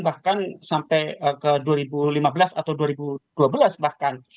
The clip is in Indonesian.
bahkan sampai ke dua ribu lima belas atau dua ribu dua belas bahkan